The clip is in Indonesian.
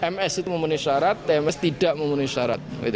ms itu memenuhi syarat tms tidak memenuhi syarat